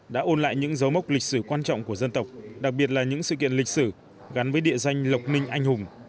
đã ôn lại những dấu mốc lịch sử quan trọng của dân tộc đặc biệt là những sự kiện lịch sử gắn với địa danh lộc ninh anh hùng